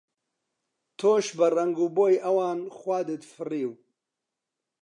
تۆش بە ڕەنگ و بۆی ئەوان خواردت فریو؟